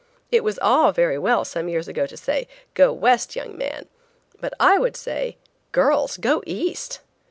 It was all very well some years ago to say, "Go West, young man;" but I would say, "Girls, go East!"